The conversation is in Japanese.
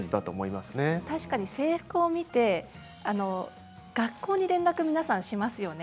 確かに制服を見て学校に連絡をしますよね。